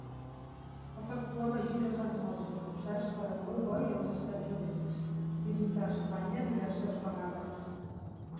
Efectuava gires anuals de concerts per Europa i els Estats Units, visità Espanya diverses vegades.